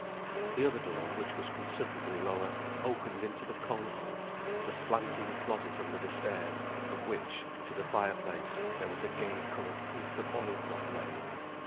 The other door, which was considerably lower, opened into the coal hole the slanting closet under the stairs; from which, to the fire place, there was a gay coloured piece of oil cloth laid.